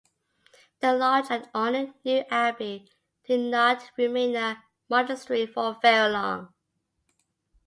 The large and ornate new abbey did not remain a monastery for very long.